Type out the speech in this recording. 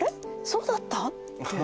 そうだった？って。